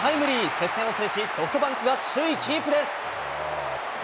接戦を制し、ソフトバンクが首位キープです。